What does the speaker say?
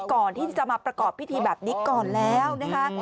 ก่อนที่จะมาประกอบพิธีแบบนี้ก่อนแล้วนะคะ